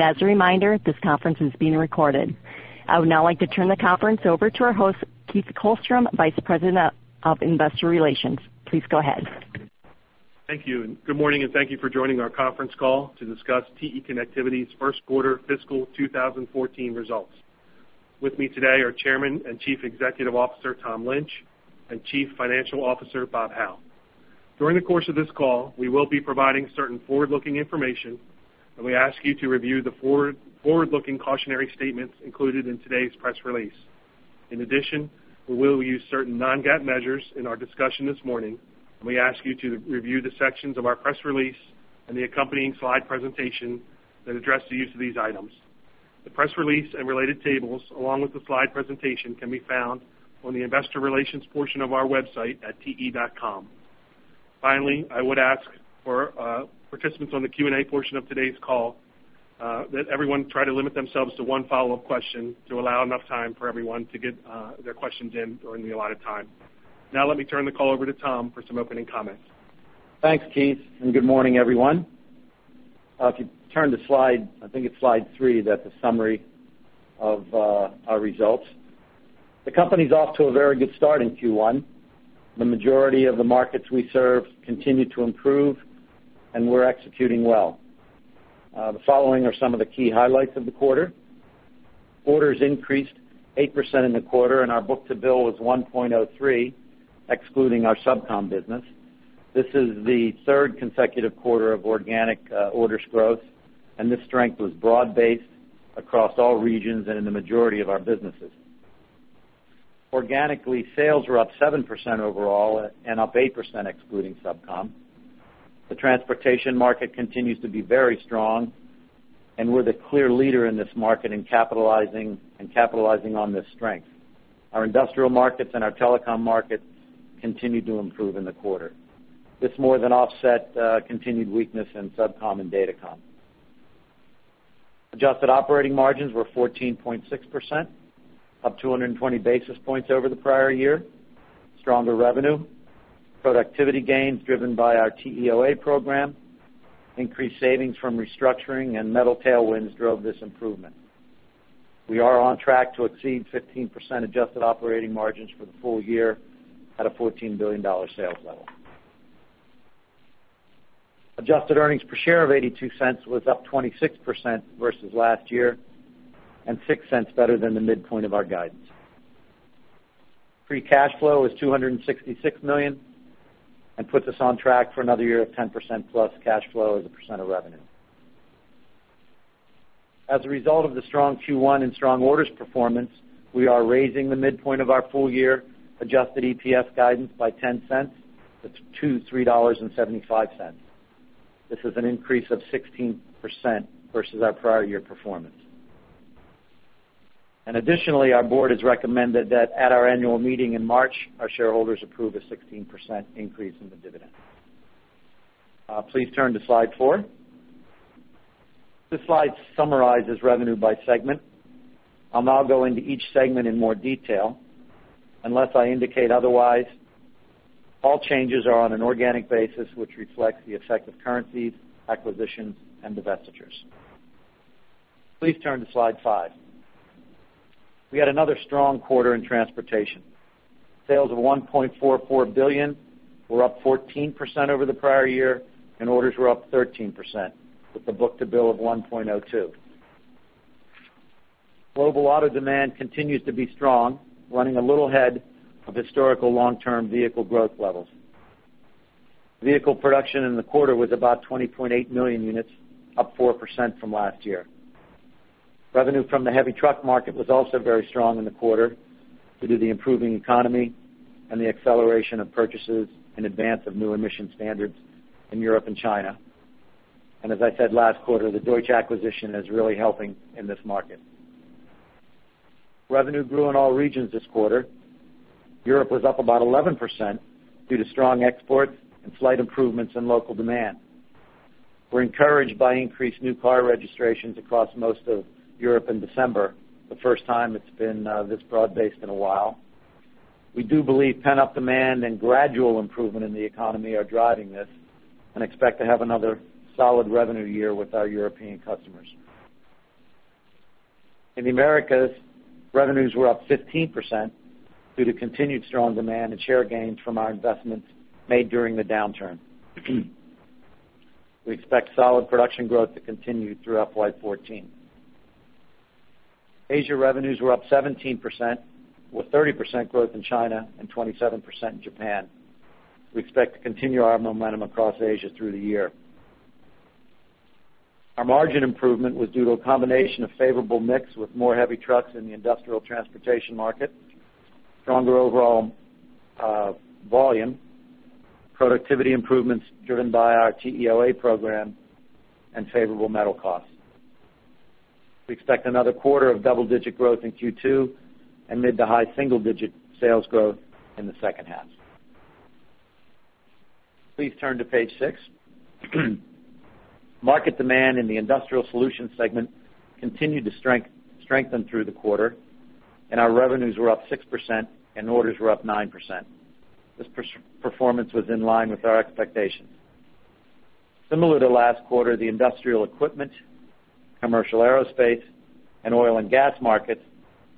As a reminder, this conference is being recorded. I would now like to turn the conference over to our host, Keith Kullman, Vice President of Investor Relations. Please go ahead. Thank you. Good morning, and thank you for joining our conference call to discuss TE Connectivity's Q1 fiscal 2014 results. With me today are Chairman and Chief Executive Officer Tom Lynch and Chief Financial Officer Bob Hau. During the course of this call, we will be providing certain forward-looking information, and we ask you to review the forward-looking cautionary statements included in today's press release. In addition, we will use certain non-GAAP measures in our discussion this morning, and we ask you to review the sections of our press release and the accompanying slide presentation that address the use of these items. The press release and related tables, along with the slide presentation, can be found on the Investor Relations portion of our website at te.com. Finally, I would ask for participants on the Q&A portion of today's call that everyone try to limit themselves to one follow-up question to allow enough time for everyone to get their questions in during the allotted time. Now let me turn the call over to Tom for some opening comments. Thanks, Keith, and good morning, everyone. If you turn the slide, I think it's slide three, that's a summary of our results. The company's off to a very good start in Q1. The majority of the markets we serve continue to improve, and we're executing well. The following are some of the key highlights of the quarter. Orders increased 8% in the quarter, and our book-to-bill was 1.03, excluding our SubCom business. This is the third consecutive quarter of organic orders growth, and this strength was broad-based across all regions and in the majority of our businesses. Organically, sales were up 7% overall and up 8%, excluding SubCom. The Transportation market continues to be very strong, and we're the clear leader in this market in capitalizing on this strength. Our Industrial markets and our telecom markets continue to improve in the quarter. This more than offsets continued weakness in SubCom and Datacom. Adjusted operating margins were 14.6%, up 220 basis points over the prior year. Stronger revenue, productivity gains driven by our TEOA program, increased savings from restructuring, and metal tailwinds drove this improvement. We are on track to exceed 15% adjusted operating margins for the full year at a $14 billion sales level. Adjusted earnings per share of $0.82 was up 26% versus last year and $0.06 better than the midpoint of our guidance. Free cash flow was $266 million and puts us on track for another year of 10%+ cash flow as a percent of revenue. As a result of the strong Q1 and strong orders performance, we are raising the midpoint of our full year adjusted EPS guidance by $0.10 to $3.75. This is an increase of 16% versus our prior year performance. Additionally, our board has recommended that at our annual meeting in March, our shareholders approve a 16% increase in the dividend. Please turn to slide four. This slide summarizes revenue by segment. I'll now go into each segment in more detail unless I indicate otherwise. All changes are on an organic basis, which reflects the effect of currencies, acquisitions, and divestitures. Please turn to slide five. We had another strong quarter in Transportation. Sales of $1.44 billion were up 14% over the prior year, and orders were up 13% with a book-to-bill of 1.02. Global auto demand continues to be strong, running a little ahead of historical long-term vehicle growth levels. Vehicle production in the quarter was about 20.8 million units, up 4% from last year. Revenue from the heavy truck market was also very strong in the quarter due to the improving economy and the acceleration of purchases in advance of new emission standards in Europe and China. As I said last quarter, the Deutsch acquisition is really helping in this market. Revenue grew in all regions this quarter. Europe was up about 11% due to strong exports and slight improvements in local demand. We're encouraged by increased new car registrations across most of Europe in December, the first time it's been this broad-based in a while. We do believe pent-up demand and gradual improvement in the economy are driving this and expect to have another solid revenue year with our European customers. In the Americas, revenues were up 15% due to continued strong demand and share gains from our investments made during the downturn. We expect solid production growth to continue throughout 2014. Asia revenues were up 17% with 30% growth in China and 27% in Japan. We expect to continue our momentum across Asia through the year. Our margin improvement was due to a combination of favorable mix with more heavy trucks in the Industrial Transportation market, stronger overall volume, productivity improvements driven by our TEOA program, and favorable metal costs. We expect another quarter of double-digit growth in Q2 and mid to high single-digit sales growth in the second half. Please turn to page six. Market demand in the Industrial Solutions segment continued to strengthen through the quarter, and our revenues were up 6% and orders were up 9%. This performance was in line with our expectations. Similar to last quarter, the Industrial Equipment, Commercial Aerospace, and Oil and Gas markets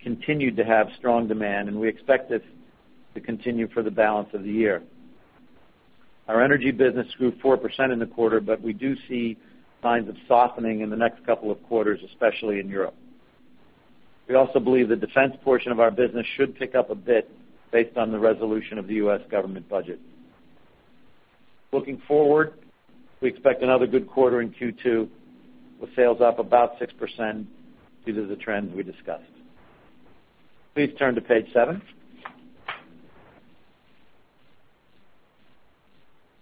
continued to have strong demand, and we expect this to continue for the balance of the year. Our Energy business grew 4% in the quarter, but we do see signs of softening in the next couple of quarters, especially in Europe. We also believe the defense portion of our business should pick up a bit based on the resolution of the U.S. government budget. Looking forward, we expect another good quarter in Q2 with sales up about 6% due to the trends we discussed. Please turn to page seven.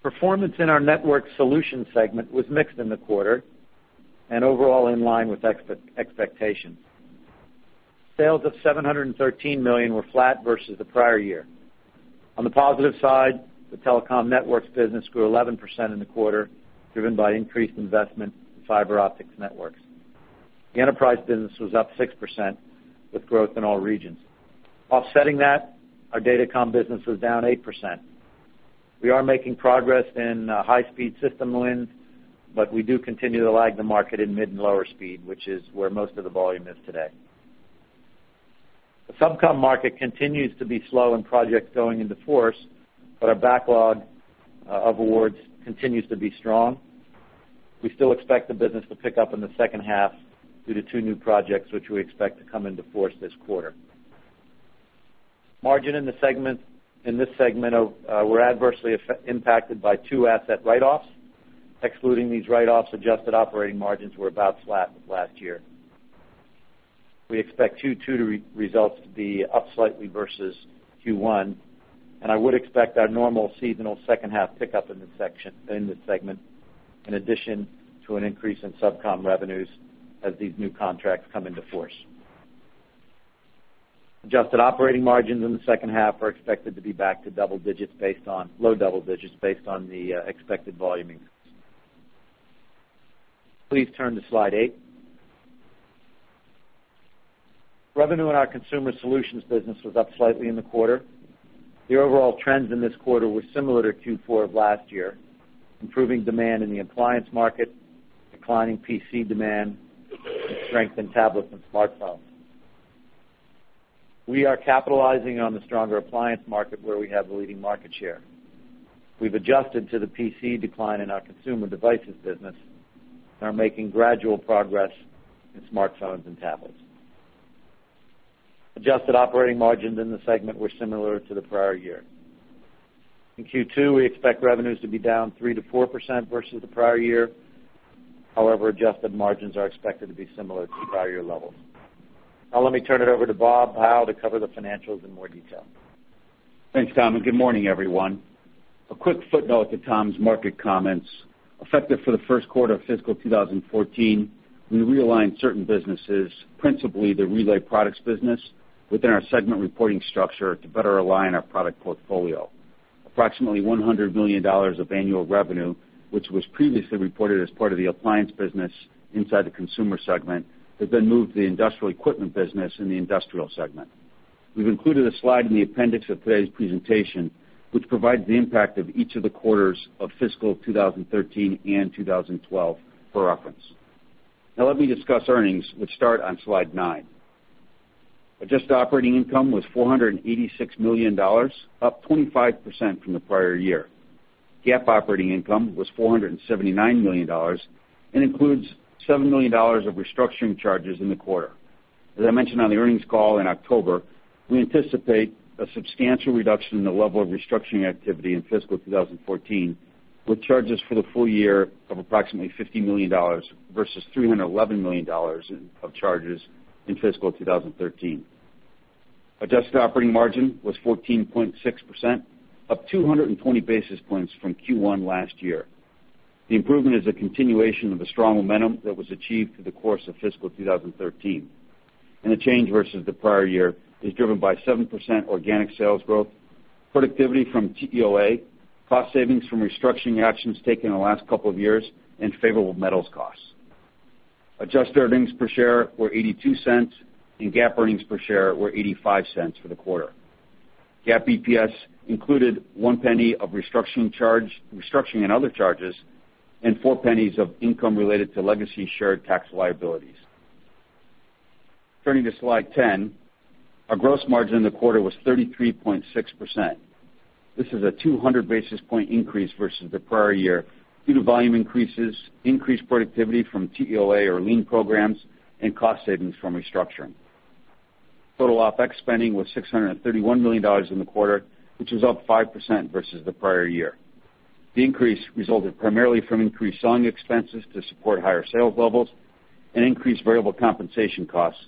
Performance in our Network Solutions segment was mixed in the quarter and overall in line with expectations. Sales of $713 million were flat versus the prior year. On the positive side, the Telecom Networks business grew 11% in the quarter, driven by increased investment in fiber optics networks. The Enterprise business was up 6% with growth in all regions. Offsetting that, our Datacom business was down 8%. We are making progress in high-speed system wins, but we do continue to lag the market in mid and lower speed, which is where most of the volume is today. The SubCom market continues to be slow in projects going into force, but our backlog of awards continues to be strong. We still expect the business to pick up in the second half due to two new projects, which we expect to come into force this quarter. Margins in this segment were adversely impacted by two asset write-offs. Excluding these write-offs, adjusted operating margins were about flat with last year. We expect Q2 results to be up slightly versus Q1, and I would expect our normal seasonal second half pickup in this segment, in addition to an increase in SubCom revenues as these new contracts come into force. Adjusted operating margins in the second half are expected to be back to double digits based on low double digits based on the expected volume increase. Please turn to slide 8. Revenue in our Consumer Solutions business was up slightly in the quarter. The overall trends in this quarter were similar to Q4 of last year, improving demand in the appliance market, declining PC demand, and strength in tablets and smartphones. We are capitalizing on the stronger appliance market where we have a leading market share. We've adjusted to the PC decline in our Consumer Devices business and are making gradual progress in smartphones and tablets. Adjusted operating margins in the segment were similar to the prior year. In Q2, we expect revenues to be down 3%-4% versus the prior year. However, adjusted margins are expected to be similar to prior year levels. Now let me turn it over to Bob Hau to cover the financials in more detail. Thanks, Tom, and good morning, everyone. A quick footnote to Tom's market comments: effective for the Q1 of fiscal 2014, we realigned certain businesses, principally the Relay Products business, within our segment reporting structure to better align our product portfolio. Approximately $100 million of annual revenue, which was previously reported as part of the Appliance business inside the Consumer segment, has been moved to the Industrial Equipment business in the Industrial segment. We've included a slide in the appendix of today's presentation, which provides the impact of each of the quarters of fiscal 2013 and 2012 for reference. Now let me discuss earnings, which start on slide 9. Adjusted operating income was $486 million, up 25% from the prior year. GAAP operating income was $479 million and includes $7 million of restructuring charges in the quarter. As I mentioned on the earnings call in October, we anticipate a substantial reduction in the level of restructuring activity in fiscal 2014, with charges for the full year of approximately $50 million versus $311 million of charges in fiscal 2013. Adjusted operating margin was 14.6%, up 220 basis points from Q1 last year. The improvement is a continuation of the strong momentum that was achieved through the course of fiscal 2013. The change versus the prior year is driven by 7% organic sales growth, productivity from TEOA, cost savings from restructuring actions taken in the last couple of years, and favorable metals costs. Adjusted earnings per share were $0.82, and GAAP earnings per share were $0.85 for the quarter. GAAP EPS included $0.01 of restructuring and other charges and $0.04 of income related to legacy shared tax liabilities. Turning to slide 10, our gross margin in the quarter was 33.6%. This is a 200 basis point increase versus the prior year due to volume increases, increased productivity from TEOA or lean programs, and cost savings from restructuring. Total OpEx spending was $631 million in the quarter, which was up 5% versus the prior year. The increase resulted primarily from increased selling expenses to support higher sales levels and increased variable compensation costs,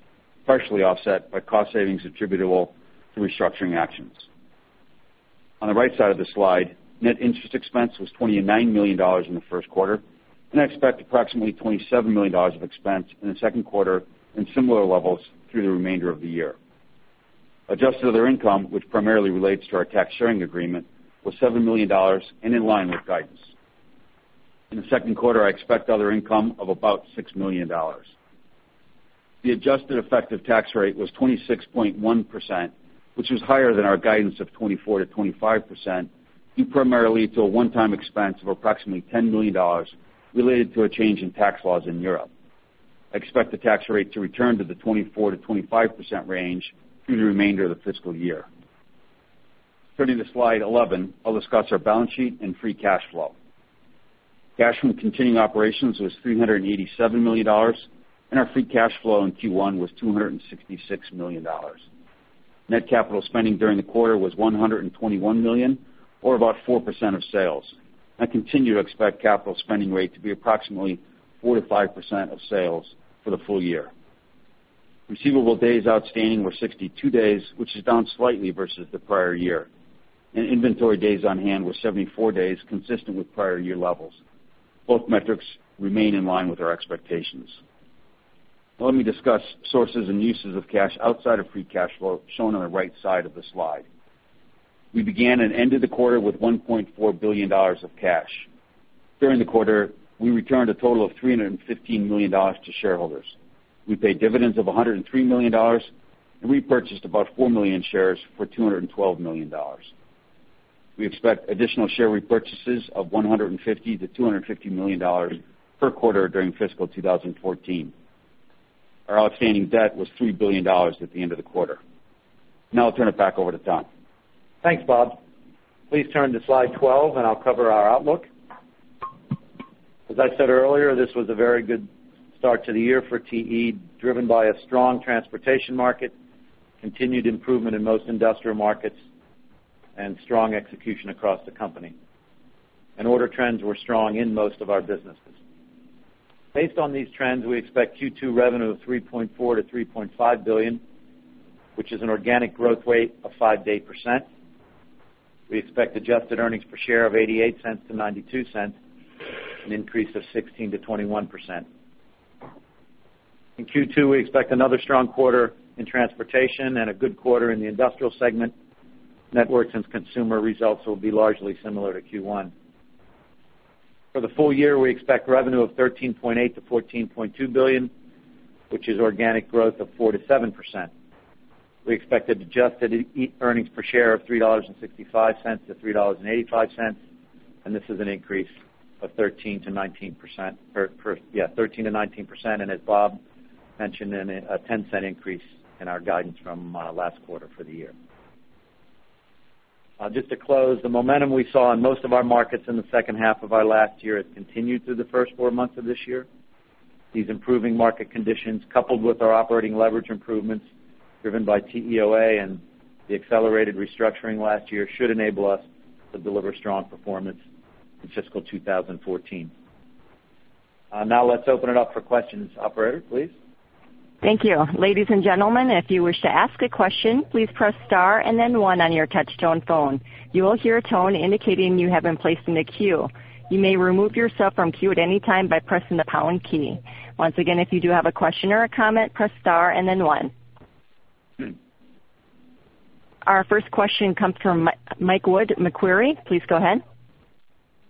partially offset by cost savings attributable to restructuring actions. On the right side of the slide, net interest expense was $29 million in the Q1, and I expect approximately $27 million of expense in the Q2 and similar levels through the remainder of the year. Adjusted other income, which primarily relates to our tax sharing agreement, was $7 million and in line with guidance. In the Q2, I expect other income of about $6 million. The adjusted effective tax rate was 26.1%, which was higher than our guidance of 24%-25% due primarily to a one-time expense of approximately $10 million related to a change in tax laws in Europe. I expect the tax rate to return to the 24%-25% range through the remainder of the fiscal year. Turning to slide 11, I'll discuss our balance sheet and free cash flow. Cash from continuing operations was $387 million, and our free cash flow in Q1 was $266 million. Net capital spending during the quarter was $121 million, or about 4% of sales. I continue to expect capital spending rate to be approximately 4%-5% of sales for the full year. Receivable days outstanding were 62 days, which is down slightly versus the prior year. Inventory days on hand were 74 days, consistent with prior year levels. Both metrics remain in line with our expectations. Now let me discuss sources and uses of cash outside of free cash flow shown on the right side of the slide. We began and ended the quarter with $1.4 billion of cash. During the quarter, we returned a total of $315 million to shareholders. We paid dividends of $103 million, and we purchased about 4 million shares for $212 million. We expect additional share repurchases of $150 million-$250 million per quarter during fiscal 2014. Our outstanding debt was $3 billion at the end of the quarter. Now I'll turn it back over to Tom. Thanks, Bob. Please turn to slide 12, and I'll cover our outlook. As I said earlier, this was a very good start to the year for TE, driven by a strong Transportation market, continued improvement in most Industrial markets, and strong execution across the company. And order trends were strong in most of our businesses. Based on these trends, we expect Q2 revenue of $3.4-$3.5 billion, which is an organic growth rate of 5%-8%. We expect adjusted earnings per share of $0.88-$0.92, an increase of 16%-21%. In Q2, we expect another strong quarter in Transportation and a good quarter in the Industrial segment. Networks and Consumer results will be largely similar to Q1. For the full year, we expect revenue of $13.8-$14.2 billion, which is organic growth of 4%-7%. We expect adjusted earnings per share of $3.65-$3.85, and this is an increase of 13%-19%, yeah, 13%-19%, and as Bob mentioned, a $0.10 increase in our guidance from last quarter for the year. Just to close, the momentum we saw in most of our markets in the second half of our last year has continued through the first four months of this year. These improving market conditions, coupled with our operating leverage improvements driven by TEOA and the accelerated restructuring last year, should enable us to deliver strong performance in fiscal 2014. Now let's open it up for questions. Operator, please. Thank you. Ladies and gentlemen, if you wish to ask a question, please press star and then one on your touch-tone phone. You will hear a tone indicating you have been placed in the queue. You may remove yourself from queue at any time by pressing the pound key. Once again, if you do have a question or a comment, press star and then one. Our first question comes from Mike Wood, Macquarie. Please go ahead.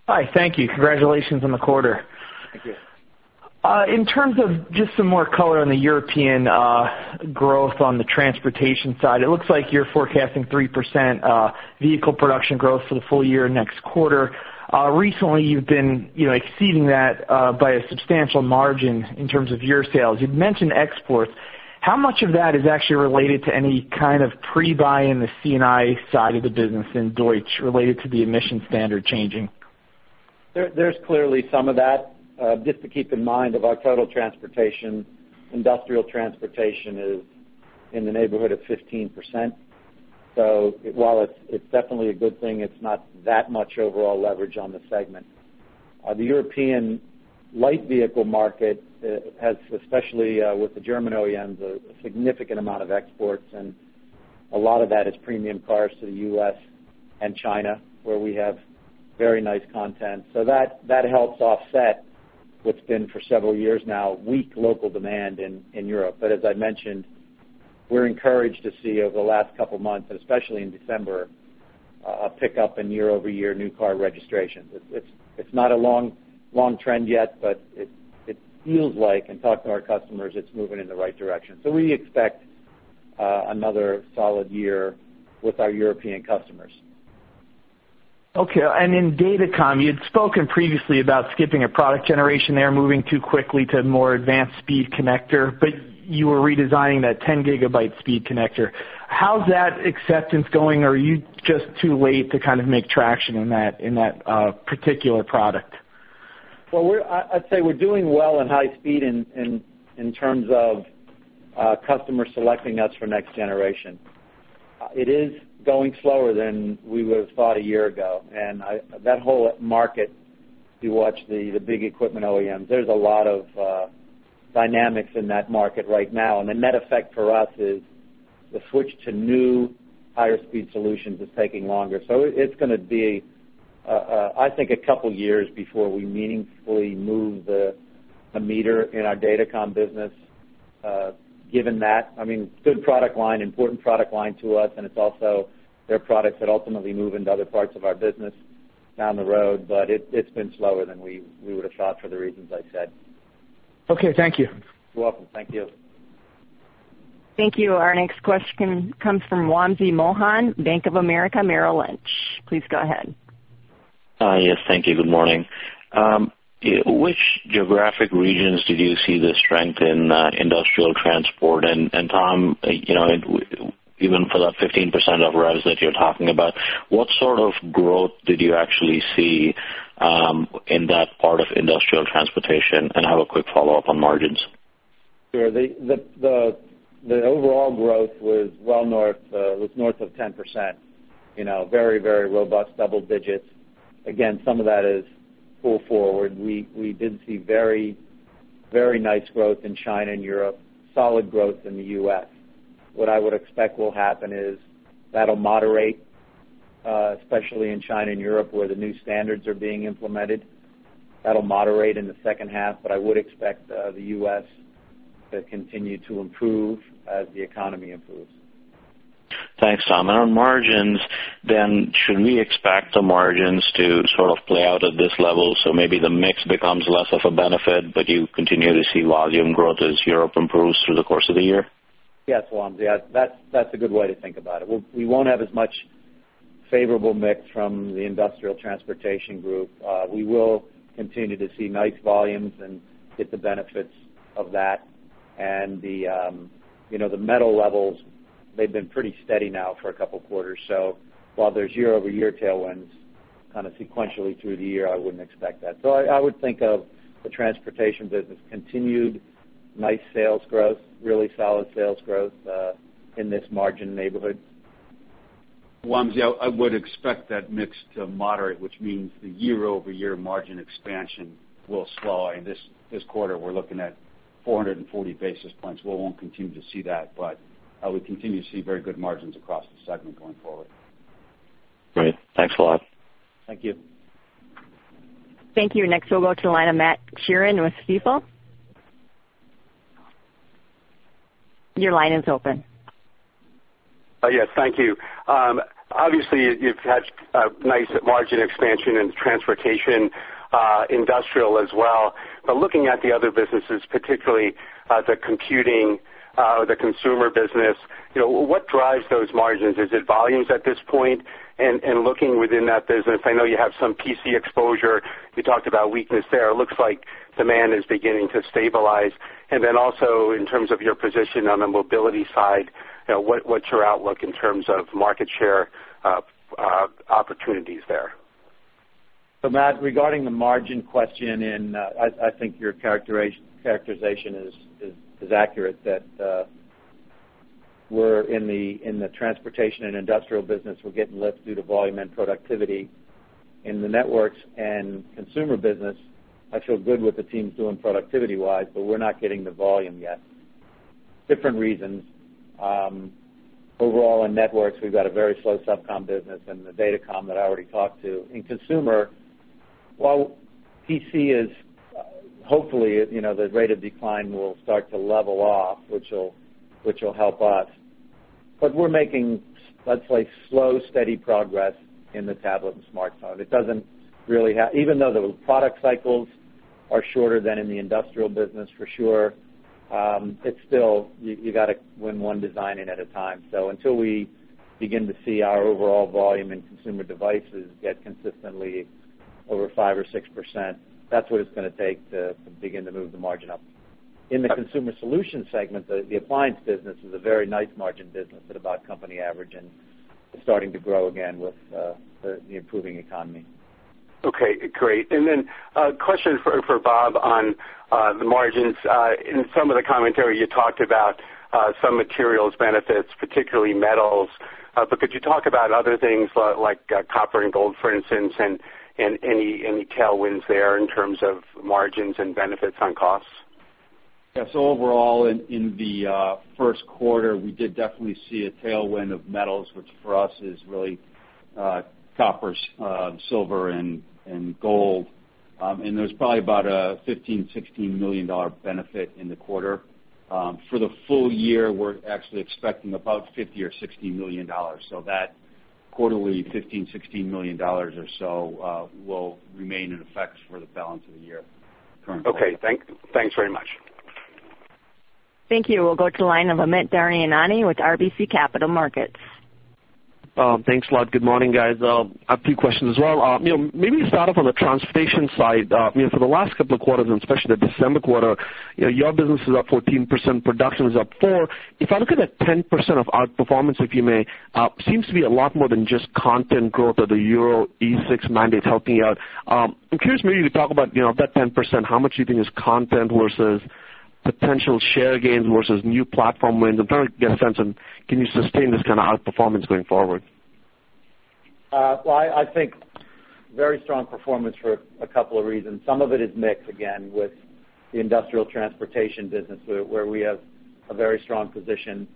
Hi, thank you. Congratulations on the quarter. Thank you. In terms of just some more color on the European growth on the Transportation side, it looks like you're forecasting 3% vehicle production growth for the full year next quarter. Recently, you've been exceeding that by a substantial margin in terms of your sales. You've mentioned exports. How much of that is actually related to any kind of pre-buy in the C&I side of the business in Deutsch related to the emission standard changing? There's clearly some of that. Just to keep in mind, of our total Transportation, Industrial Transportation is in the neighborhood of 15%. So while it's definitely a good thing, it's not that much overall leverage on the segment. The European light vehicle market has, especially with the German OEMs, a significant amount of exports, and a lot of that is premium cars to the U.S. and China, where we have very nice content. So that helps offset what's been for several years now, weak local demand in Europe. But as I mentioned, we're encouraged to see over the last couple of months, and especially in December, a pickup in year-over-year new car registrations. It's not a long trend yet, but it feels like, and talk to our customers, it's moving in the right direction. So we expect another solid year with our European customers. Okay. In Datacom, you'd spoken previously about skipping a product generation there, moving too quickly to more advanced speed connector, but you were redesigning that 10-gigabit speed connector. How's that acceptance going? Are you just too late to kind of make traction in that particular product? Well, I'd say we're doing well in high speed in terms of customers selecting us for next generation. It is going slower than we would have thought a year ago. And that whole market, if you watch the big equipment OEMs, there's a lot of dynamics in that market right now. And the net effect for us is the switch to new higher speed solutions is taking longer. So it's going to be, I think, a couple of years before we meaningfully move the meter in our Datacom business, given that. I mean, good product line, important product line to us, and it's also their products that ultimately move into other parts of our business down the road, but it's been slower than we would have thought for the reasons I said. Okay. Thank you. You're welcome. Thank you. Thank you. Our next question comes from Wamsi Mohan, Bank of America Merrill Lynch. Please go ahead. Yes, thank you. Good morning. Which geographic regions did you see the strength in Industrial Transport? And Tom, even for that 15% of revenue that you're talking about, what sort of growth did you actually see in that part of Industrial Transportation? And I have a quick follow-up on margins. Sure. The overall growth was well north of 10%. Very, very robust double digits. Again, some of that is pull forward. We did see very, very nice growth in China and Europe, solid growth in the U.S. What I would expect will happen is that'll moderate, especially in China and Europe where the new standards are being implemented. That'll moderate in the second half, but I would expect the U.S. to continue to improve as the economy improves. Thanks, Tom. On margins, then, should we expect the margins to sort of play out at this level so maybe the mix becomes less of a benefit, but you continue to see volume growth as Europe improves through the course of the year? Yes, Wamsi. That's a good way to think about it. We won't have as much favorable mix from the Industrial Transportation group. We will continue to see nice volumes and get the benefits of that. The metal levels, they've been pretty steady now for a couple of quarters. While there's year-over-year tailwinds kind of sequentially through the year, I wouldn't expect that. I would think of the Transportation business continued nice sales growth, really solid sales growth in this margin neighborhood. Wamsi, I would expect that mix to moderate, which means the year-over-year margin expansion will slow. This quarter, we're looking at 440 basis points. We won't continue to see that, but we continue to see very good margins across the segment going forward. Great. Thanks a lot. Thank you. Thank you. Next, we'll go to the line of Matt Sheerin with Stifel. Your line is open. Yes, thank you. Obviously, you've had nice margin expansion in Transportation, Industrial as well. But looking at the other businesses, particularly the computing or the Consumer business, what drives those margins? Is it volumes at this point? And looking within that business, I know you have some PC exposure. You talked about weakness there. It looks like demand is beginning to stabilize. And then also, in terms of your position on the mobility side, what's your outlook in terms of market share opportunities there? So, Matt, regarding the margin question, and I think your characterization is accurate that we're in the Transportation and Industrial business. We're getting lift due to volume and productivity in the networks. And Consumer business, I feel good with the teams doing productivity-wise, but we're not getting the volume yet. Different reasons. Overall, in networks, we've got a very slow subcom business in the Datacom that I already talked to. In Consumer, while PC is hopefully the rate of decline will start to level off, which will help us. But we're making, let's say, slow, steady progress in the tablet and smartphone. It doesn't really have even though the product cycles are shorter than in the Industrial business, for sure, it's still you got to win one design at a time. So until we begin to see our overall volume in Consumer Devices get consistently over 5% or 6%, that's what it's going to take to begin to move the margin up. In the Consumer solution segment, the Appliance business is a very nice margin business at about company average and starting to grow again with the improving economy. Okay. Great. And then question for Bob on the margins. In some of the commentary, you talked about some materials benefits, particularly metals. But could you talk about other things like copper and gold, for instance, and any tailwinds there in terms of margins and benefits on costs? Yes. Overall, in the Q1, we did definitely see a tailwind of metals, which for us is really coppers, silver, and gold. There's probably about a $15-$16 million benefit in the quarter. For the full year, we're actually expecting about $50-$60 million. That quarterly $15-$16 million or so will remain in effect for the balance of the year currently. Okay. Thanks very much. Thank you. We'll go to the line of Amit Daryanani with RBC Capital Markets. Thanks, a lot. Good morning, guys. I have a few questions as well. Maybe start off on the Transportation side. For the last couple of quarters, and especially the December quarter, your business is up 14%. Production is up 4%. If I look at that 10% of outperformance, if I may, seems to be a lot more than just content growth or the Euro 6 mandate helping out. I'm curious, maybe you could talk about that 10%, how much do you think is content versus potential share gains versus new platform wins? I'm trying to get a sense of, can you sustain this kind of outperformance going forward? Well, I think very strong performance for a couple of reasons. Some of it is mixed, again, with the Industrial Transportation business, where we have a very strong position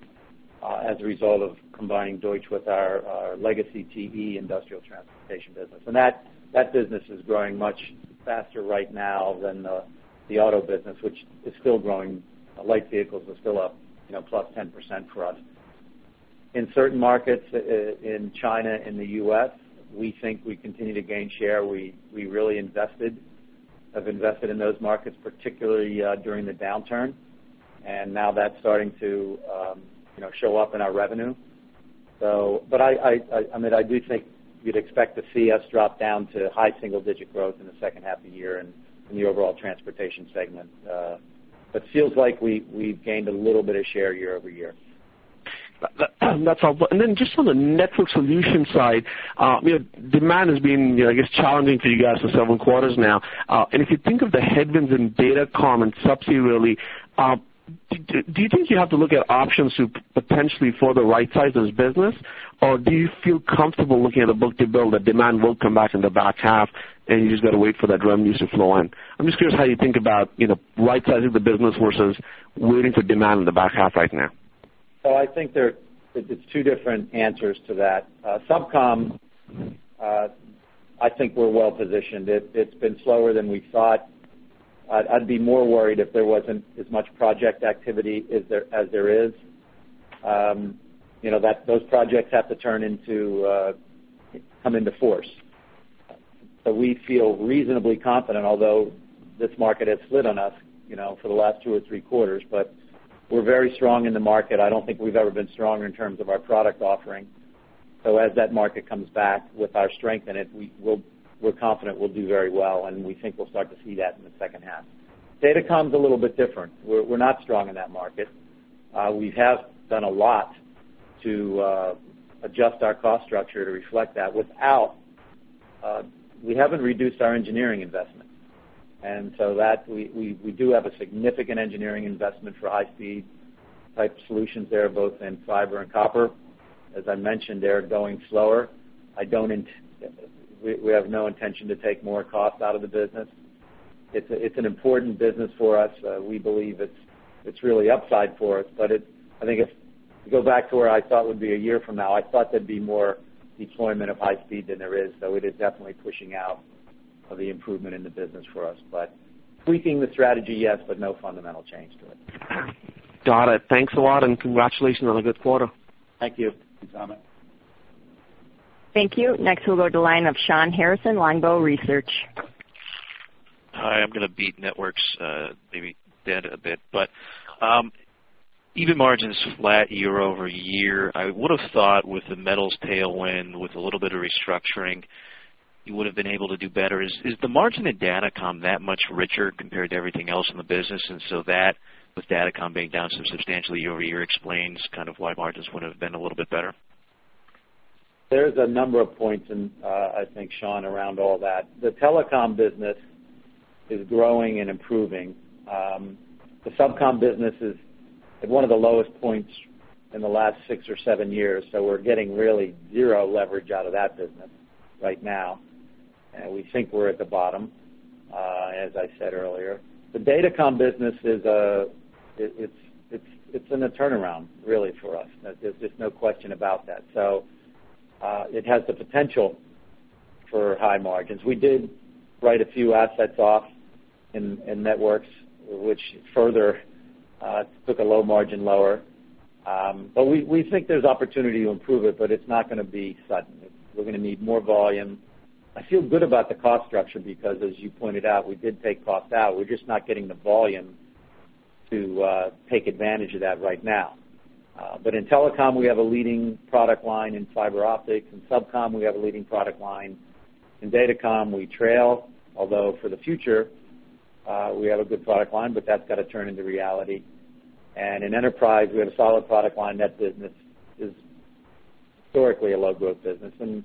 as a result of combining Deutsch with our legacy TE Industrial Transportation business. And that business is growing much faster right now than the auto business, which is still growing. Light vehicles are still up +10% for us. In certain markets in China, in the US, we think we continue to gain share. We really invested, have invested in those markets, particularly during the downturn. And now that's starting to show up in our revenue. But I mean, I do think you'd expect to see us drop down to high single-digit growth in the second half of the year in the overall Transportation segment. But it feels like we've gained a little bit of share year-over-year. That's helpful. And then just on the network solution side, demand has been, I guess, challenging for you guys for several quarters now. And if you think of the headwinds in Datacom and subsea really, do you think you have to look at options to potentially further right-size this business, or do you feel comfortable looking at a book-to-bill that demand will come back in the back half and you just got to wait for that revenue to flow in? I'm just curious how you think about right-sizing the business versus waiting for demand in the back half right now. So I think there's two different answers to that. SubCom, I think we're well positioned. It's been slower than we thought. I'd be more worried if there wasn't as much project activity as there is. Those projects have to turn into come into force. So we feel reasonably confident, although this market has slid on us for the last two or three quarters. But we're very strong in the market. I don't think we've ever been stronger in terms of our product offering. So as that market comes back with our strength in it, we're confident we'll do very well. And we think we'll start to see that in the second half. Datacom's a little bit different. We're not strong in that market. We have done a lot to adjust our cost structure to reflect that without we haven't reduced our engineering investment. And so we do have a significant engineering investment for high-speed type solutions there, both in fiber and copper. As I mentioned, they're going slower. We have no intention to take more cost out of the business. It's an important business for us. We believe it's really upside for us. But I think if you go back to where I thought would be a year from now, I thought there'd be more deployment of high-speed than there is. So it is definitely pushing out of the improvement in the business for us. But tweaking the strategy, yes, but no fundamental change to it. Got it. Thanks a lot. Congratulations on a good quarter. Thank you, Amit. Thank you. Next, we'll go to the line of Shawn Harrison, Longbow Research. Hi. I'm going to beat networks maybe a bit. But even margins flat year-over-year, I would have thought with the metals tailwind, with a little bit of restructuring, you would have been able to do better. Is the margin in Datacom that much richer compared to everything else in the business? And so that, with Datacom being down so substantially year-over-year, explains kind of why margins would have been a little bit better? There's a number of points, I think, Shawn, around all that. The telecom business is growing and improving. The subcom business is at one of the lowest points in the last six or seven years. So we're getting really zero leverage out of that business right now. And we think we're at the bottom, as I said earlier. The Datacom business, it's in a turnaround, really, for us. There's just no question about that. So it has the potential for high margins. We did write a few assets off in networks, which further took a low margin lower. But we think there's opportunity to improve it, but it's not going to be sudden. We're going to need more volume. I feel good about the cost structure because, as you pointed out, we did take cost out. We're just not getting the volume to take advantage of that right now. But in telecom, we have a leading product line in fiber optics. In SubCom, we have a leading product line. In Datacom, we trail, although for the future, we have a good product line, but that's got to turn into reality. And in Enterprise, we have a solid product line. That business is historically a low-growth business. And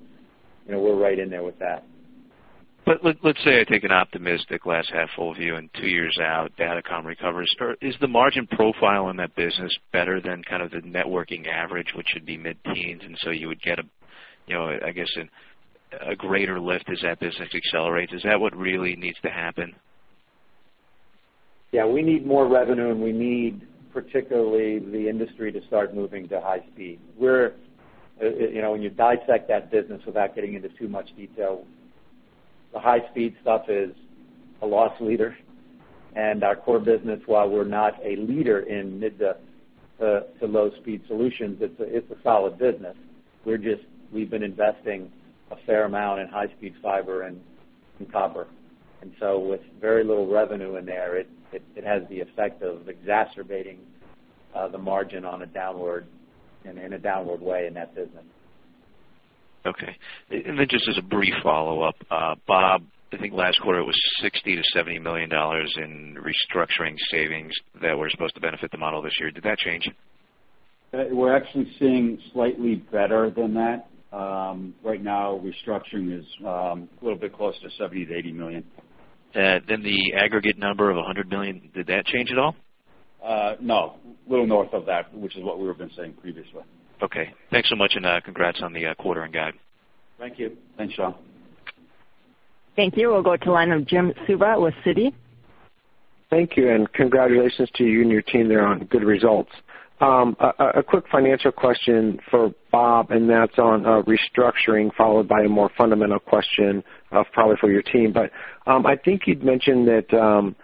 we're right in there with that. Let's say I take an optimistic glass half full view and two years out, Datacom recovers. Is the margin profile in that business better than kind of the networking average, which should be mid-teens? And so you would get, I guess, a greater lift as that business accelerates. Is that what really needs to happen? Yeah. We need more revenue, and we need particularly the industry to start moving to high-speed. When you dissect that business without getting into too much detail, the high-speed stuff is a loss leader. And our core business, while we're not a leader in mid-to-low-speed solutions, it's a solid business. We've been investing a fair amount in high-speed fiber and copper. And so with very little revenue in there, it has the effect of exacerbating the margin in a downward way in that business. Okay. Just as a brief follow-up, Bob, I think last quarter it was $60-$70 million in restructuring savings that were supposed to benefit the model this year. Did that change? We're actually seeing slightly better than that. Right now, restructuring is a little bit closer to $70 million-$80 million. Then the aggregate number of $100 million, did that change at all? No. A little north of that, which is what we were saying previously. Okay. Thanks so much, and congrats on the quarterly guidance. Thank you. Thanks, Shawn. Thank you. We'll go to the line of Jim Suva with Citi. Thank you. Congratulations to you and your team there on good results. A quick financial question for Bob, and that's on restructuring, followed by a more fundamental question probably for your team. I think you'd mentioned that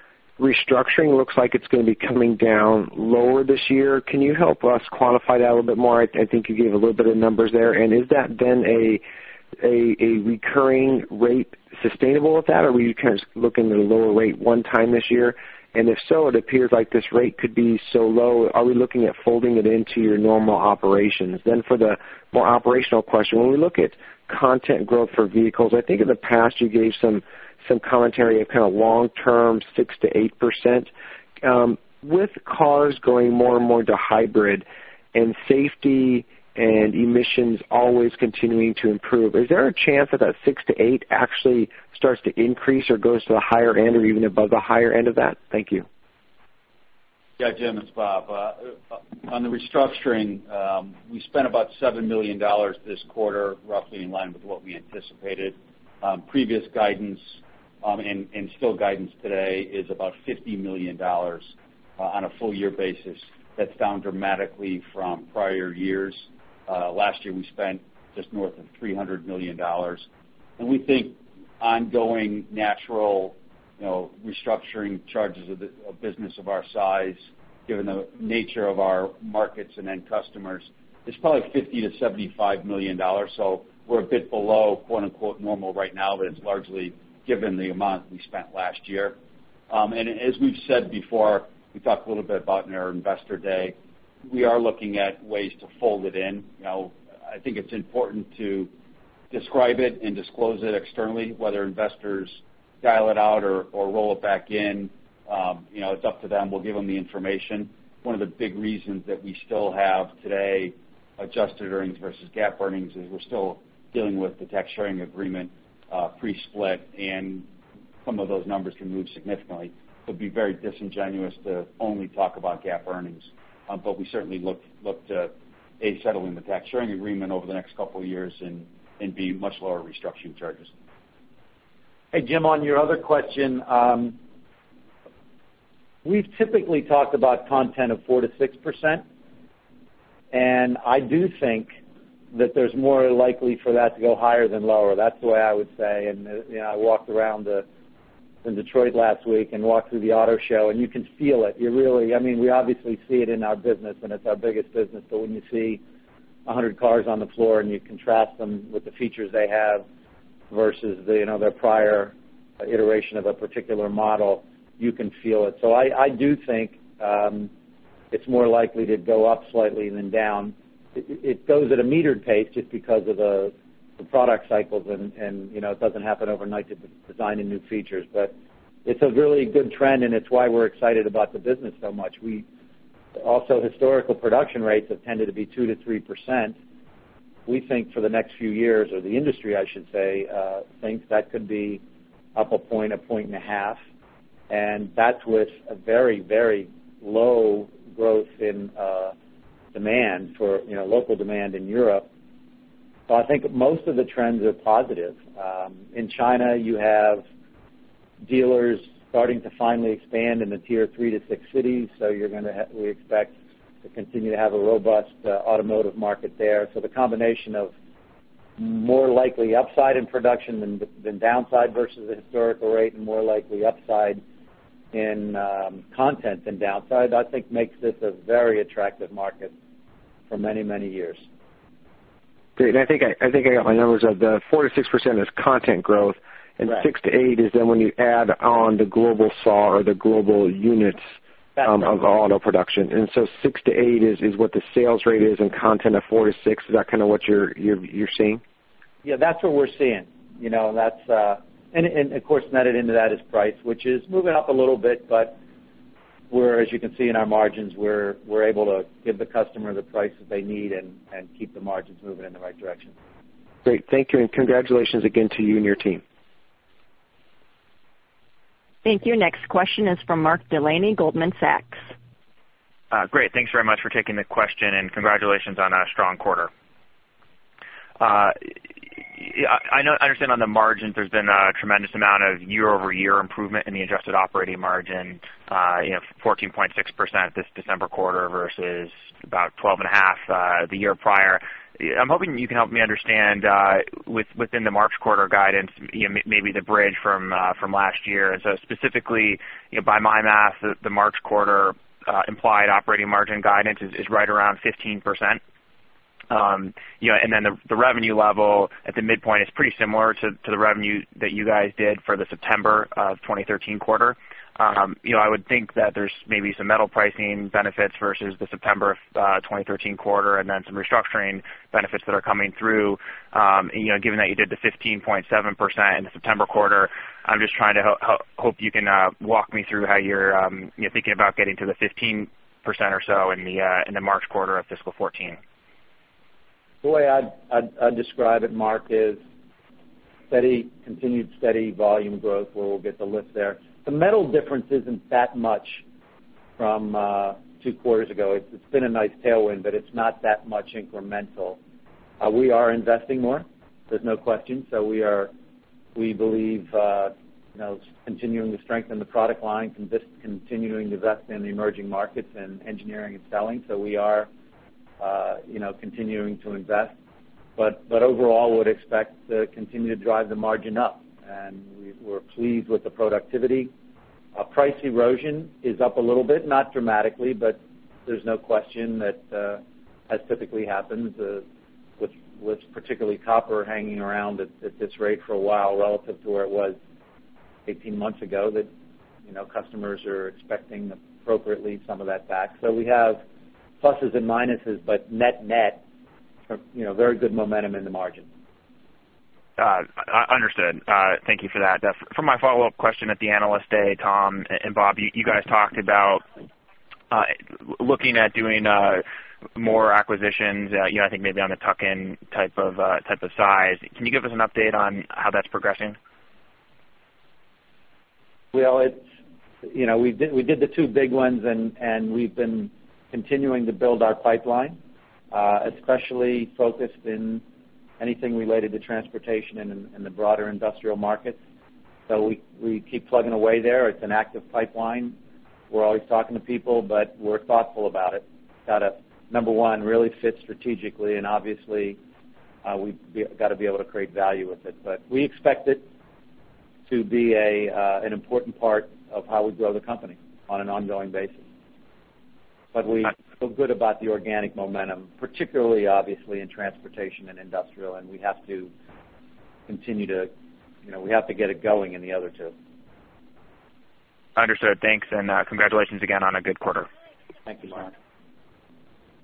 restructuring looks like it's going to be coming down lower this year. Can you help us quantify that a little bit more? I think you gave a little bit of numbers there. And is that then a recurring rate sustainable with that, or are we kind of looking at a lower rate one time this year? And if so, it appears like this rate could be so low, are we looking at folding it into your normal operations? For the more operational question, when we look at content growth for vehicles, I think in the past you gave some commentary of kind of long-term 6%-8%. With cars going more and more into hybrid and safety and emissions always continuing to improve, is there a chance that that 6-8 actually starts to increase or goes to the higher end or even above the higher end of that? Thank you. Yeah, Jim, it's Bob. On the restructuring, we spent about $7 million this quarter, roughly in line with what we anticipated. Previous guidance and still guidance today is about $50 million on a full-year basis. That's down dramatically from prior years. Last year, we spent just north of $300 million. We think ongoing natural restructuring charges of a business of our size, given the nature of our markets and then customers, it's probably $50-$75 million. So we're a bit below "normal" right now, but it's largely given the amount we spent last year. As we've said before, we talked a little bit about in our investor day, we are looking at ways to fold it in. I think it's important to describe it and disclose it externally, whether investors dial it out or roll it back in. It's up to them. We'll give them the information. One of the big reasons that we still have today adjusted earnings versus GAAP earnings is we're still dealing with the tax sharing agreement pre-split, and some of those numbers can move significantly. It would be very disingenuous to only talk about GAAP earnings. But we certainly look to, a, settle in the tax sharing agreement over the next couple of years and be much lower restructuring charges. Hey, Jim, on your other question, we've typically talked about content of 4%-6%. And I do think that there's more likely for that to go higher than lower. That's the way I would say. And I walked around in Detroit last week and walked through the auto show, and you can feel it. I mean, we obviously see it in our business, and it's our biggest business. But when you see 100 cars on the floor and you contrast them with the features they have versus their prior iteration of a particular model, you can feel it. So I do think it's more likely to go up slightly than down. It goes at a metered pace just because of the product cycles, and it doesn't happen overnight to design new features. But it's a really good trend, and it's why we're excited about the business so much. Also, historical production rates have tended to be 2%-3%. We think for the next few years, or the industry, I should say, thinks that could be up 1 point, 1.5 points. And that's with a very, very low growth in demand for local demand in Europe. So I think most of the trends are positive. In China, you have dealers starting to finally expand in the tier 3 to 6 cities. So we expect to continue to have a robust automotive market there. So the combination of more likely upside in production than downside versus the historical rate and more likely upside in content than downside, I think makes this a very attractive market for many, many years. Great. And I think I got my numbers of the 4%-6% as content growth, and 6-8 is then when you add on the global SAAR or the global units of auto production. And so 6-8 is what the sales rate is in content of 4-6. Is that kind of what you're seeing? Yeah, that's what we're seeing. And of course, netted into that is price, which is moving up a little bit. But as you can see in our margins, we're able to give the customer the price that they need and keep the margins moving in the right direction. Great. Thank you. Congratulations again to you and your team. Thank you. Next question is from Mark Delaney, Goldman Sachs. Great. Thanks very much for taking the question, and congratulations on a strong quarter. I understand on the margins, there's been a tremendous amount of year-over-year improvement in the adjusted operating margin, 14.6% this December quarter versus about 12.5 the year prior. I'm hoping you can help me understand within the March quarter guidance, maybe the bridge from last year. And so specifically, by my math, the March quarter implied operating margin guidance is right around 15%. And then the revenue level at the midpoint is pretty similar to the revenue that you guys did for the September of 2013 quarter. I would think that there's maybe some metal pricing benefits versus the September of 2013 quarter and then some restructuring benefits that are coming through. Given that you did the 15.7% in September quarter, I'm just trying to hope you can walk me through how you're thinking about getting to the 15% or so in the March quarter of fiscal 2014. The way I'd describe it, Mark, is continued steady volume growth where we'll get the lift there. The metal difference isn't that much from two quarters ago. It's been a nice tailwind, but it's not that much incremental. We are investing more. There's no question. So we believe continuing to strengthen the product line and just continuing to invest in emerging markets and engineering and selling. So we are continuing to invest. But overall, we'd expect to continue to drive the margin up. And we're pleased with the productivity. Price erosion is up a little bit, not dramatically, but there's no question that as typically happens with particularly copper hanging around at this rate for a while relative to where it was 18 months ago, that customers are expecting appropriately some of that back. So we have pluses and minuses, but net-net, very good momentum in the margin. Understood. Thank you for that. For my follow-up question at the analyst day, Tom and Bob, you guys talked about looking at doing more acquisitions, I think maybe on the tuck-in type of size. Can you give us an update on how that's progressing? Well, we did the two big ones, and we've been continuing to build our pipeline, especially focused in anything related to Transportation and the broader Industrial markets. So we keep plugging away there. It's an active pipeline. We're always talking to people, but we're thoughtful about it. Got to, number one, really fit strategically. And obviously, we've got to be able to create value with it. But we expect it to be an important part of how we grow the company on an ongoing basis. But we feel good about the organic momentum, particularly obviously in Transportation and Industrial. And we have to continue to get it going in the other two. Understood. Thanks. And congratulations again on a good quarter. Thank you, Mark.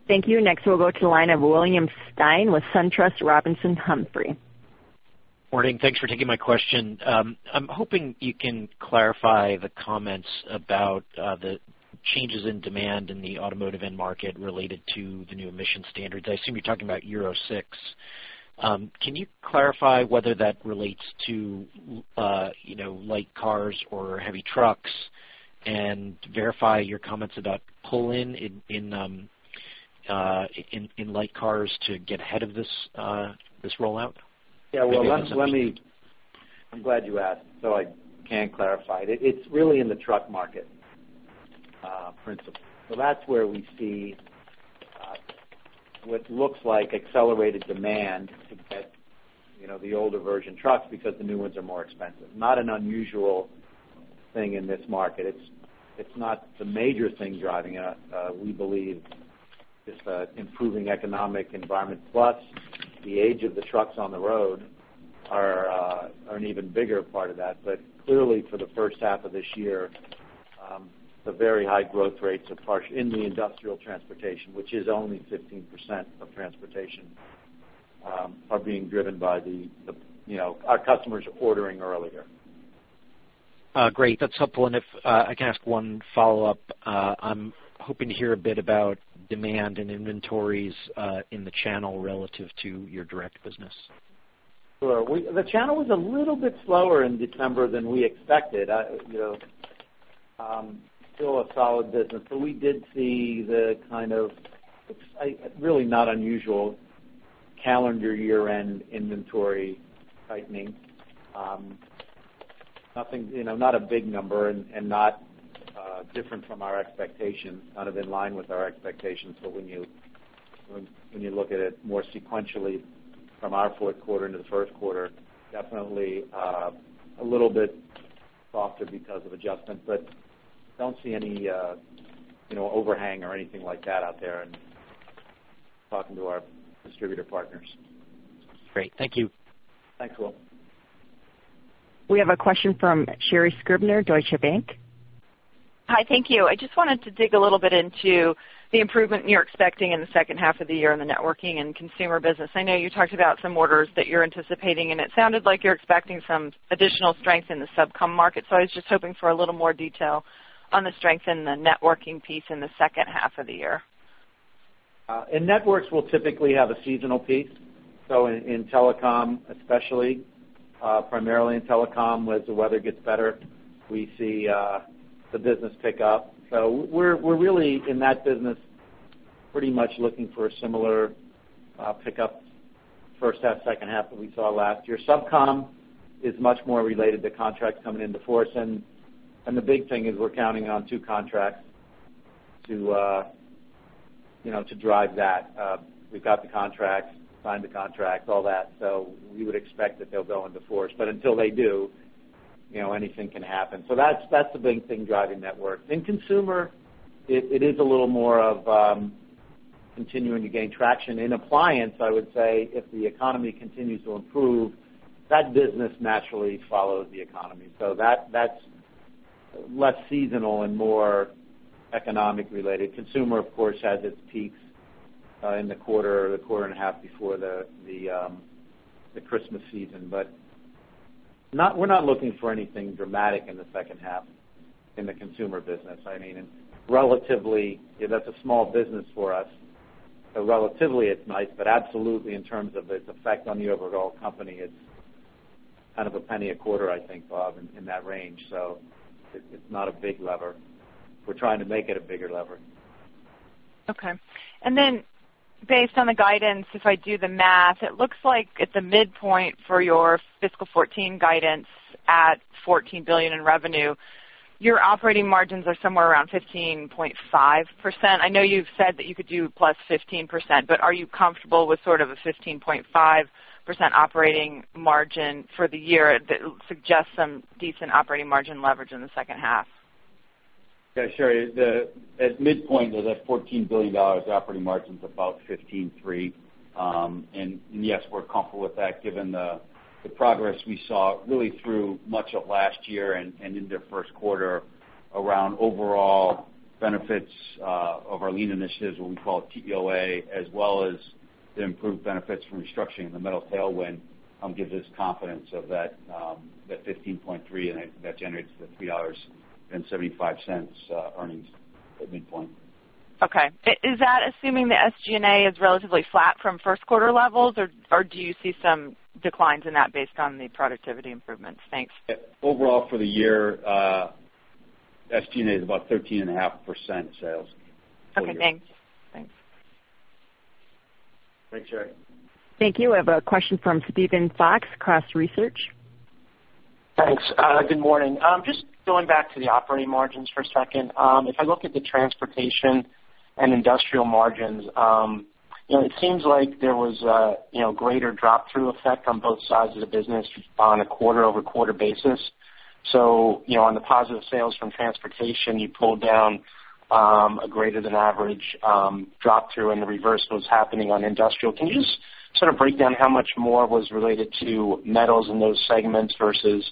Thank you. Next, we'll go to the line of William Stein with SunTrust Robinson Humphrey. Morning. Thanks for taking my question. I'm hoping you can clarify the comments about the changes in demand in the automotive end market related to the new emission standards. I assume you're talking about Euro 6. Can you clarify whether that relates to light cars or heavy trucks and verify your comments about pull-in in light cars to get ahead of this rollout? Yeah. Well, let me. I'm glad you asked. So I can clarify. It's really in the truck market primarily. So that's where we see what looks like accelerated demand to get the older version trucks because the new ones are more expensive. Not an unusual thing in this market. It's not the major thing driving it. We believe just improving economic environment plus the age of the trucks on the road are an even bigger part of that. But clearly, for the first half of this year, the very high growth rates in the Industrial Transportation, which is only 15% of Transportation, are being driven by our customers ordering earlier. Great. That's helpful. If I can ask one follow-up, I'm hoping to hear a bit about demand and inventories in the channel relative to your direct business. Sure. The channel was a little bit slower in December than we expected. Still a solid business. But we did see the kind of really not unusual calendar year-end inventory tightening. Not a big number and not different from our expectations, kind of in line with our expectations. But when you look at it more sequentially from our Q4 into the Q1, definitely a little bit softer because of adjustment. But don't see any overhang or anything like that out there in talking to our distributor partners. Great. Thank you. Thanks, Will. We have a question from Sherri Scribner, Deutsche Bank. Hi. Thank you. I just wanted to dig a little bit into the improvement you're expecting in the second half of the year in the networking and Consumer business. I know you talked about some orders that you're anticipating, and it sounded like you're expecting some additional strength in the SubCom market. So I was just hoping for a little more detail on the strength in the networking piece in the second half of the year. Networks will typically have a seasonal piece. In telecom, especially primarily in telecom, as the weather gets better, we see the business pick up. We're really in that business pretty much looking for a similar pickup, first half, second half that we saw last year. Subcom is much more related to contracts coming into force. The big thing is we're counting on two contracts to drive that. We've got the contracts, signed the contracts, all that. We would expect that they'll go into force. But until they do, anything can happen. That's the big thing driving networks. In Consumer, it is a little more of continuing to gain traction. In appliance, I would say if the economy continues to improve, that business naturally follows the economy. That's less seasonal and more economic related. Consumer, of course, has its peaks in the quarter or the quarter and a half before the Christmas season. But we're not looking for anything dramatic in the second half in the Consumer business. I mean, relatively, that's a small business for us. So relatively, it's nice. But absolutely, in terms of its effect on the overall company, it's kind of a penny a quarter, I think, Bob, in that range. So it's not a big lever. We're trying to make it a bigger lever. Okay. Then based on the guidance, if I do the math, it looks like at the midpoint for your fiscal 2014 guidance at $14 billion in revenue, your operating margins are somewhere around 15.5%. I know you've said that you could do +15%. But are you comfortable with sort of a 15.5% operating margin for the year that suggests some decent operating margin leverage in the second half? Yeah, sure. At midpoint of that $14 billion, the operating margin's about 15.3%. Yes, we're comfortable with that given the progress we saw really through much of last year and into Q1 around overall benefits of our lean initiatives, what we call TEOA, as well as the improved benefits from restructuring in the metal tailwind gives us confidence of that 15.3%. I think that generates the $3.75 earnings at midpoint. Okay. Is that assuming the SG&A is relatively flat from Q1 levels, or do you see some declines in that based on the productivity improvements? Thanks. Overall for the year, SG&A is about 13.5% sales. Okay. Thanks. Thanks. Thanks, Sherry. Thank you. We have a question from Steven Fox, Cross Research. Thanks. Good morning. Just going back to the operating margins for a second. If I look at the Transportation and Industrial margins, it seems like there was a greater drop-through effect on both sides of the business on a quarter-over-quarter basis. So on the positive sales from Transportation, you pulled down a greater-than-average drop-through, and the reverse was happening on Industrial. Can you just sort of break down how much more was related to metals in those segments versus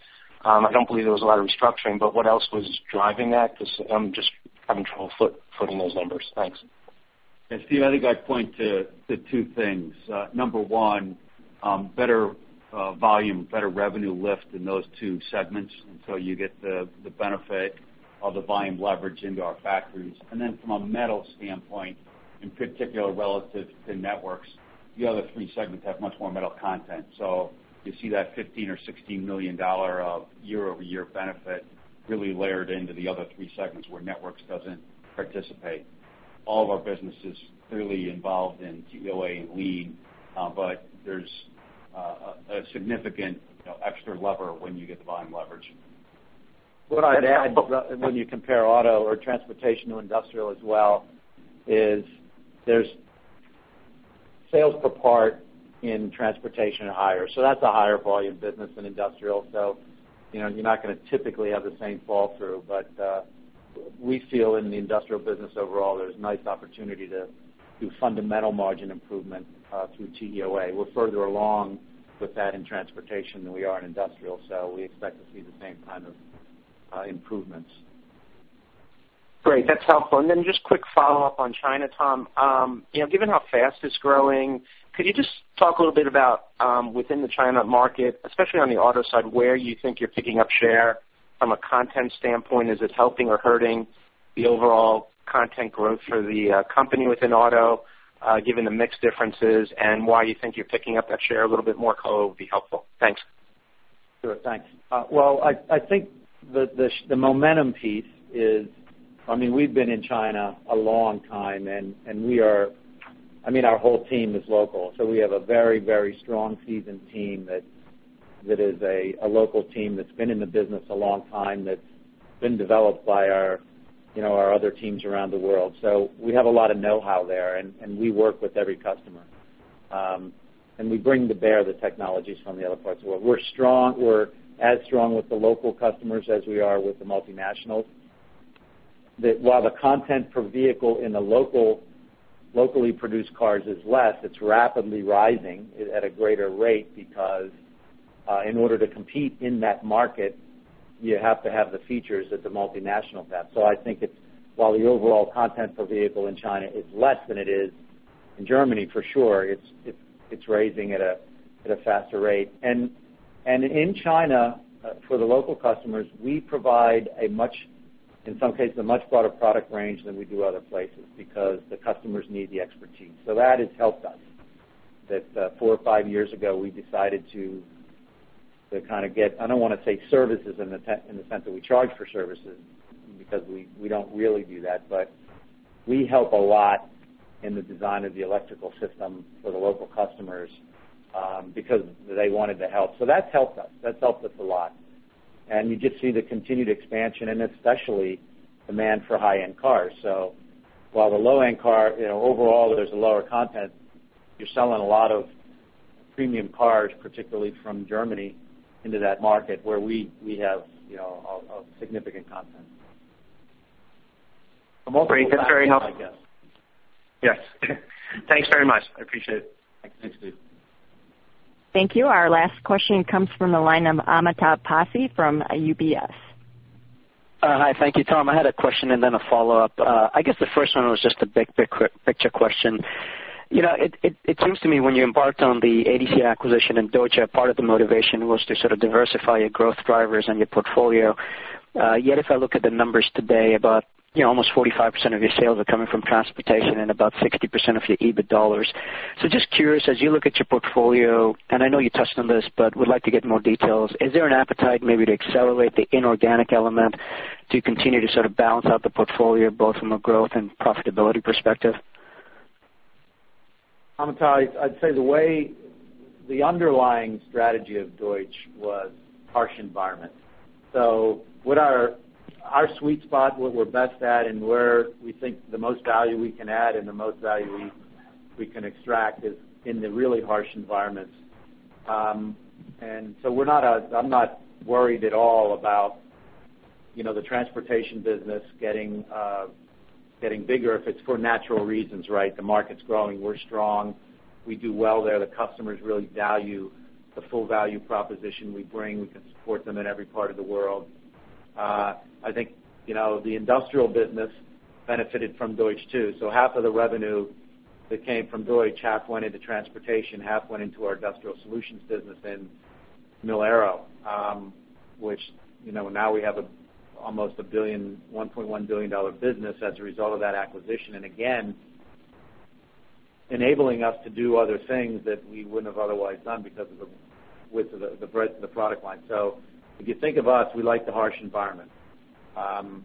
I don't believe there was a lot of restructuring, but what else was driving that? Because I'm just having trouble footing those numbers. Thanks. And Steve, I think I'd point to two things. Number one, better volume, better revenue lift in those two segments until you get the benefit of the volume leverage into our factories. Then from a metal standpoint, in particular relative to networks, the other three segments have much more metal content. So you see that $15-$16 million year-over-year benefit really layered into the other three segments where networks doesn't participate. All of our business is clearly involved in TEOA and lean, but there's a significant extra lever when you get the volume leverage. What I'd add when you compare auto or Transportation to Industrial as well is there's sales per part in Transportation higher. So that's a higher volume business than Industrial. So you're not going to typically have the same fall-through. But we feel in the Industrial business overall, there's nice opportunity to do fundamental margin improvement through TEOA. We're further along with that in Transportation than we are in Industrial. So we expect to see the same kind of improvements. Great. That's helpful. And then just quick follow-up on China, Tom. Given how fast it's growing, could you just talk a little bit about within the China market, especially on the auto side, where you think you're picking up share from a content standpoint? Is it helping or hurting the overall content growth for the company within auto, given the mixed differences, and why you think you're picking up that share a little bit more? So will be helpful. Thanks. Sure. Thanks. Well, I think the momentum piece is, I mean, we've been in China a long time. I mean, our whole team is local. So we have a very, very strong seasoned team that is a local team that's been in the business a long time that's been developed by our other teams around the world. So we have a lot of know-how there. We work with every customer. We bring to bear the technologies from the other parts of the world. We're as strong with the local customers as we are with the multinationals. While the content per vehicle in the locally produced cars is less, it's rapidly rising at a greater rate because in order to compete in that market, you have to have the features that the multinationals have. I think while the overall content per vehicle in China is less than it is in Germany, for sure, it's rising at a faster rate. And in China, for the local customers, we provide in some cases a much broader product range than we do other places because the customers need the expertise. So that has helped us that four or five years ago, we decided to kind of get. I don't want to say services in the sense that we charge for services because we don't really do that. But we help a lot in the design of the electrical system for the local customers because they wanted to help. So that's helped us. That's helped us a lot. And you just see the continued expansion and especially demand for high-end cars. So while the low-end car overall, there's a lower content, you're selling a lot of premium cars, particularly from Germany, into that market where we have a significant content. Great. That's very helpful. I guess. Yes. Thanks very much. I appreciate it. Thanks, Steve. Thank you. Our last question comes from the line of Amitabh Passi from UBS. Hi. Thank you, Tom. I had a question and then a follow-up. I guess the first one was just a big picture question. It seems to me when you embarked on the ADC acquisition and Deutsch, part of the motivation was to sort of diversify your growth drivers and your portfolio. Yet if I look at the numbers today, about almost 45% of your sales are coming from Transportation and about 60% of your EBIT dollars. So just curious, as you look at your portfolio, and I know you touched on this, but would like to get more details, is there an appetite maybe to accelerate the inorganic element to continue to sort of balance out the portfolio both from a growth and profitability perspective? Amitabh, I'd say the underlying strategy of Deutsch was harsh environment. So our sweet spot, what we're best at, and where we think the most value we can add and the most value we can extract is in the really harsh environments. And so I'm not worried at all about the Transportation business getting bigger if it's for natural reasons, right? The market's growing. We're strong. We do well there. The customers really value the full value proposition we bring. We can support them in every part of the world. I think the Industrial business benefited from Deutsch too. So half of the revenue that came from Deutsch, half went into Transportation, half went into our Industrial Solutions business in Mil-Aero, which now we have almost a $1.1 billion business as a result of that acquisition. And again, enabling us to do other things that we wouldn't have otherwise done because of the breadth of the product line. So if you think of us, we like the harsh environment. And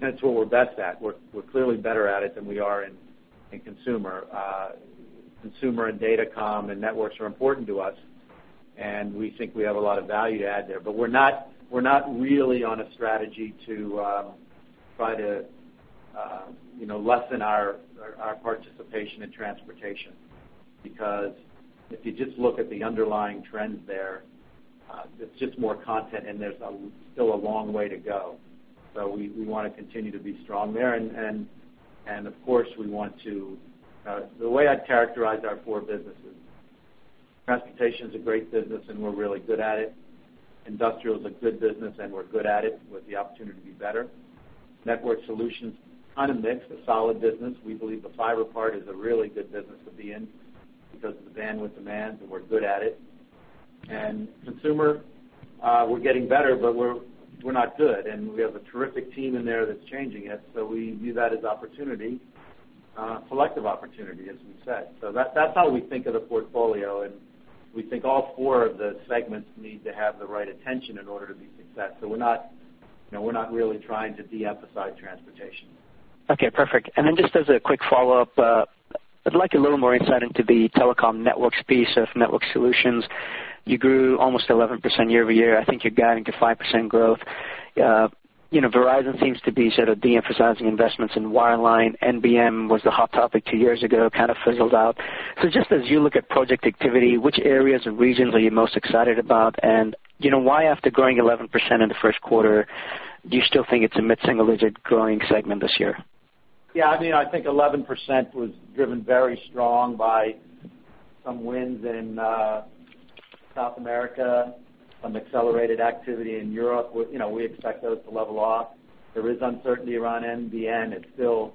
that's what we're best at. We're clearly better at it than we are in Consumer. Consumer and Datacom and networks are important to us. And we think we have a lot of value to add there. But we're not really on a strategy to try to lessen our participation in Transportation because if you just look at the underlying trends there, it's just more content, and there's still a long way to go. So we want to continue to be strong there. And of course, we want to the way I'd characterize our four businesses, Transportation is a great business, and we're really good at it. Industrial is a good business, and we're good at it with the opportunity to be better. Network Solutions, kind of mixed, a solid business. We believe the fiber part is a really good business to be in because of the bandwidth demand, and we're good at it. And Consumer, we're getting better, but we're not good. And we have a terrific team in there that's changing it. So we view that as opportunity, selective opportunity, as we said. So that's how we think of the portfolio. And we think all four of the segments need to have the right attention in order to be successful. So we're not really trying to deemphasize Transportation. Okay. Perfect. And then just as a quick follow-up, I'd like a little more insight into the Telecom Networks piece of Network Solutions. You grew almost 11% year-over-year. I think you're guiding to 5% growth. Verizon seems to be sort of deemphasizing investments in wireline. NBN was the hot topic two years ago, kind of fizzled out. So just as you look at project activity, which areas and regions are you most excited about? And why, after growing 11% in the Q1, do you still think it's a mid-single-digit growing segment this year? Yeah. I mean, I think 11% was driven very strong by some wins in South America, some accelerated activity in Europe. We expect those to level off. There is uncertainty around NBN. It's still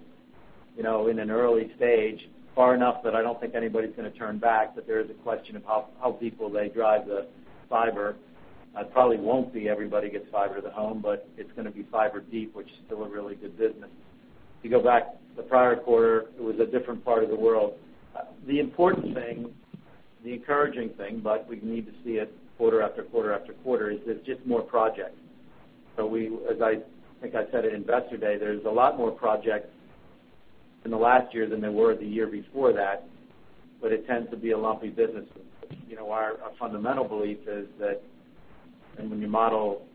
in an early stage, far enough that I don't think anybody's going to turn back. But there is a question of how deep will they drive the fiber. It probably won't be everybody gets fiber to the home, but it's going to be fiber deep, which is still a really good business. If you go back to the prior quarter, it was a different part of the world. The important thing, the encouraging thing, but we need to see it quarter after quarter after quarter, is there's just more projects. So as I think I said at investor day, there's a lot more projects in the last year than there were the year before that. But it tends to be a lumpy business. Our fundamental belief is that when you model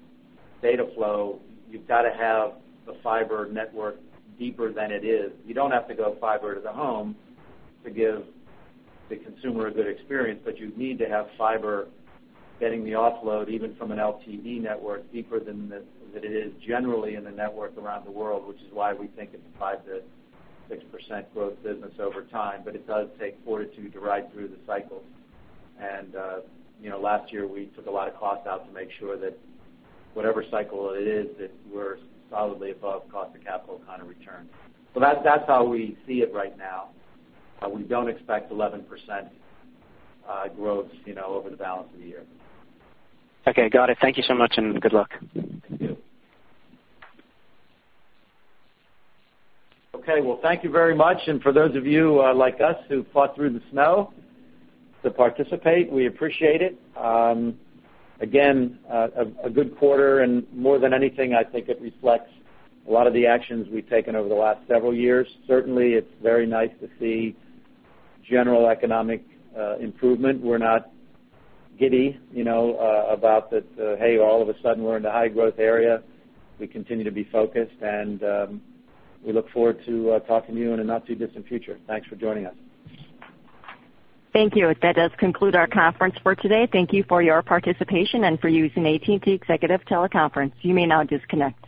data flow, you've got to have the fiber network deeper than it is. You don't have to go fiber to the home to give the Consumer a good experience, but you need to have fiber getting the offload, even from an LTE network, deeper than it is generally in the network around the world, which is why we think it's a 5%-6% growth business over time. But it does take fortitude to ride through the cycles. And last year, we took a lot of cost out to make sure that whatever cycle it is, that we're solidly above cost of capital kind of return. So that's how we see it right now. We don't expect 11% growth over the balance of the year. Okay. Got it. Thank you so much and good luck. Thank you. Okay. Well, thank you very much. And for those of you like us who fought through the snow to participate, we appreciate it. Again, a good quarter. And more than anything, I think it reflects a lot of the actions we've taken over the last several years. Certainly, it's very nice to see general economic improvement. We're not giddy about that, "Hey, all of a sudden, we're in a high-growth area." We continue to be focused. And we look forward to talking to you in a not-too-distant future. Thanks for joining us. Thank you. That does conclude our conference for today. Thank you for your participation and for using AT&T Executive Teleconference. You may now disconnect.